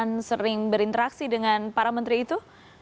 yang sering berinteraksi dengan para menteri itu